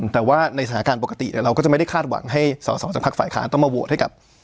แต่ว่าในสถานการณ์ปกติเราก็จะไม่ได้คาดหวังให้สอสอจากภาคฝ่ายค้านต้องมาโหวตให้กับ